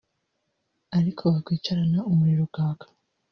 Ariko bakwicarana umuriro ukaka